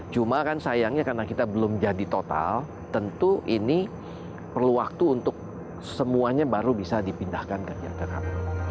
cuma kan sayangnya karena kita belum jadi total tentu ini perlu waktu untuk semuanya baru bisa dipindahkan ke jakarta